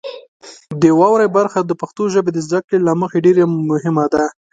د واورئ برخه د پښتو ژبې د زده کړې له مخې ډیره مهمه ده.